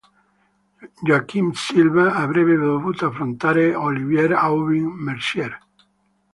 Joaquim Silva avrebbe dovuto affrontare Olivier Aubin-Mercier.